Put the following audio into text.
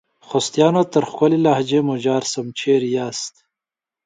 خوستیانو ! تر ښکلي لهجې مو جار سم ، چیري یاست؟